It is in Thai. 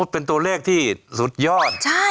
เป็นตัวเลขที่สุดยอด